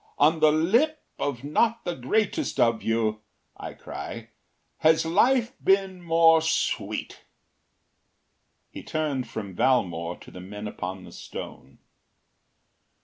‘On the lip of not the greatest of you,’ I cry, ‘has life been more sweet.’” He turned from Valmore to the men upon the stone.